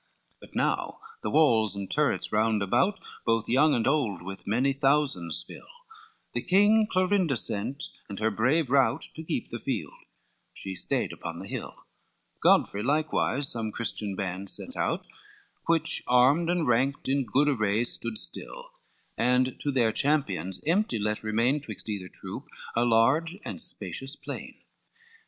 LXXXIII But now the walls and turrets round about, Both young and old with many thousands fill; The king Clorinda sent and her brave rout, To keep the field, she stayed upon the hill: Godfrey likewise some Christian bands sent out Which armed, and ranked in good array stood still, And to their champions empty let remain Twixt either troop a large and spacious plain.